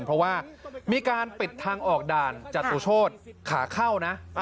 เพราะว่ามีการปิดทางออกด่านจตุโชธขาเข้านะ